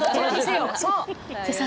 そう！